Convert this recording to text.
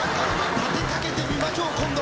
立てかけてみましょう今度。